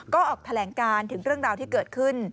ก็ออกแถลงการถึงเรื่องราวที่เกิดขึ้น